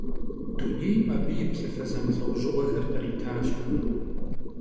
Dunêym abı yi plhıfe zemılh'eujığuexer khritaş.